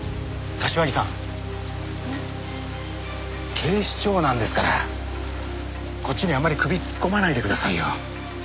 警視庁なんですからこっちにあんまり首突っ込まないでくださいよ。